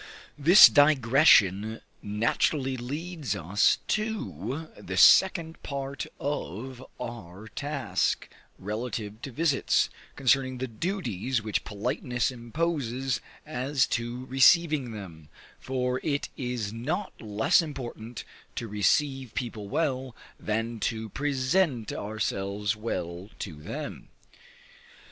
This digression naturally leads us to the second part of our task relative to visits, concerning the duties which politeness imposes as to receiving them, for it is not less important to receive people well, than to present ourselves well to them.